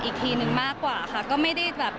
อีกทีนึงมากกว่าค่ะก็ไม่ได้แบบ